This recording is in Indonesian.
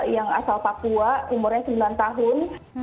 yang asal papua umurnya sembilan tahun